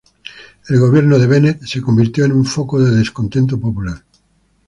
El gobierno de Bennett se convirtió en un foco de descontento popular.